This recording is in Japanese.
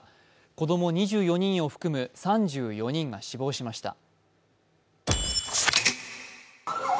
子ども２４人を含む３４人が死亡しました。